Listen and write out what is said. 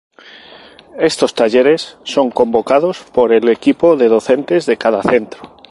Estos talleres son convocados por el equipo de docentes de cada centro.